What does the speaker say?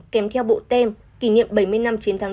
kèm theo bộ tem kỷ niệm bảy mươi năm chiến thắng